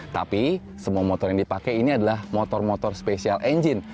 tapi semua motor yang dipakai ini adalah motor motor special engine